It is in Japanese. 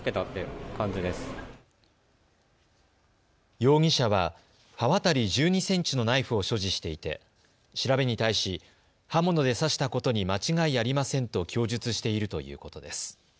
容疑者は刃渡り１２センチのナイフを所持していて調べに対し刃物で刺したことに間違いありませんと供述しているということです。